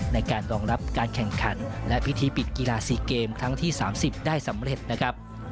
ในการรองรับการแข่งขันและพิธีปิดกีฬา๔เกมครั้งที่๓๐ได้สำเร็จนะครับ